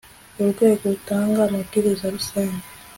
urwego rugatanga amabwiriza rusange